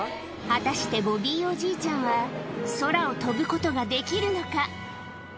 果たしてボビーおじいちゃんは空を飛ぶことができるのか？